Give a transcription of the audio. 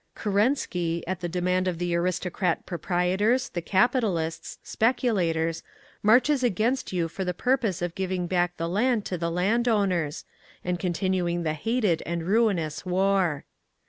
Kerensky, at the demand of the aristocrat proprietors, the capitalists, speculators, marches against you for the purpose of giving back the land to the land owners, and continuing the hated and ruinous war.